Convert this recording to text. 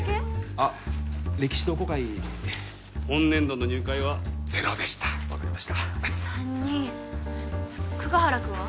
あっ歴史同好会本年度の入会はゼロでした分かりました３人久我原君は？